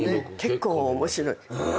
結構面白い。